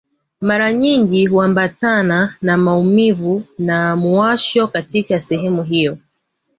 Mara nyingi huambatana na maumivu na muwasho katika sehemu hiyo